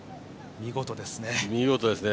見事ですね。